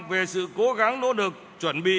về sự cố gắng nỗ lực chuẩn bị